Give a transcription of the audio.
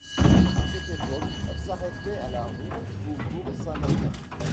À cette époque, elle s'arrêtait à la rue du Faubourg-Saint-Martin.